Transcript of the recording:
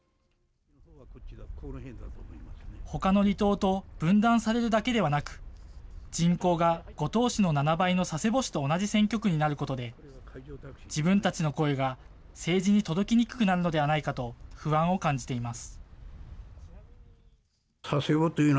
ほかの離島と分断されるだけではなく、人口が五島市の７倍の佐世保市と同じ選挙区になることで、自分たちの声が、政治に届きにくくなるのではないかと不安を感じています。